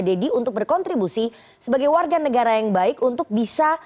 deddy untuk berkontribusi sebagai warga negara yang baik untuk bisa